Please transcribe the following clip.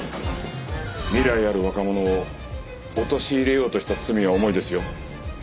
未来ある若者を陥れようとした罪は重いですよ。